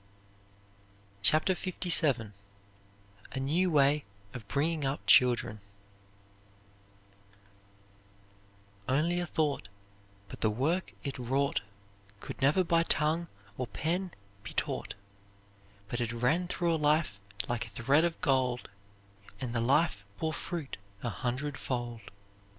CHAPTER LVII A NEW WAY OF BRINGING UP CHILDREN "Only a thought, but the work it wrought Could never by tongue or pen be taught, But it ran through a life like a thread of gold, And the life bore fruit a hundredfold."